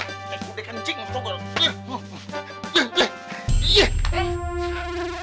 kekude kan cinggang tuh gua